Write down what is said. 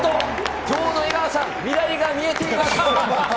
今日の江川さんは未来が見えています。